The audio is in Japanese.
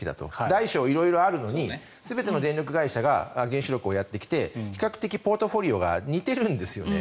大小色々あるのに全ての電力会社が原子力をやってきて比較的、ポートフォリオが似ているんですよね。